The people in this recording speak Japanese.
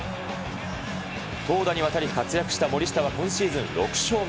投打にわたり活躍した森下は今シーズン６勝目。